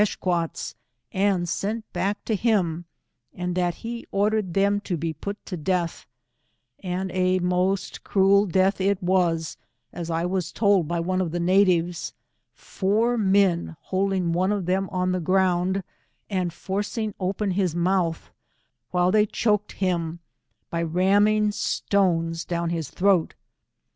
h quiates, and sent bacii to him, and tliat he oi dered them to be put to death ; and a most cruel death it was, as I was told by one of the natives, four men holding one of them on the ground, and forcing open his mouth, while they choaked him by ram ming stones down his throat.